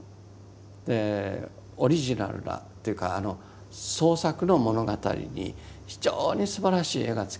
オリジナルなというか創作の物語に非常にすばらしい絵がつけてある。